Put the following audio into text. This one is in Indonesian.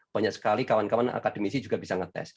banyak sekali kawan kawan akademisi juga bisa ngetes